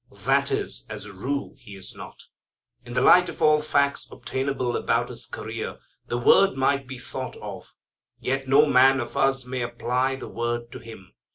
That is, as a rule he is not. In the light of all facts obtainable about his career, that word might be thought of. Yet no man of us may apply the word to him.